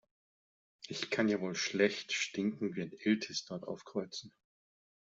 Ich kann ja wohl schlecht stinkend wie ein Iltis dort aufkreuzen.